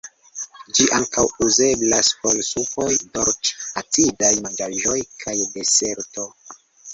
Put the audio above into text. Ĝi ankaŭ uzeblas por supoj, dolĉ-acidaj manĝaĵoj kaj deserto.